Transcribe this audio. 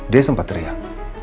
dia sempat teriak